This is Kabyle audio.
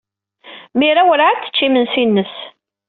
Mira werɛad tecci imensi-nnes.